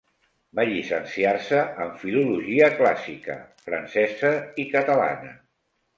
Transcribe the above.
Va llicenciar-se en filologia clàssica, francesa i catalana.